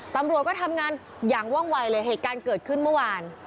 ตำรวจก็ทำงานอย่างว่องวัยเลยเหตุการณ์เกิดขึ้นเมื่อวาน